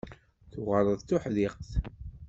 Tuɣaleḍ d tuḥdiqt.